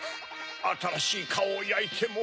あたらしいカオをやいても。